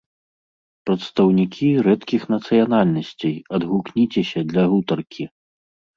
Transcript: Прадстаўнікі рэдкіх нацыянальнасцей, адгукніцеся для гутаркі!